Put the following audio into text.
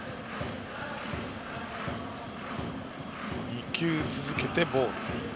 ２球続けてボール。